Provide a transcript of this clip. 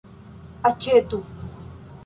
aĉetu